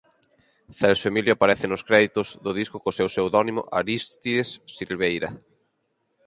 Celso Emilio aparece nos créditos do disco co seu pseudónimo Arístides Silveira.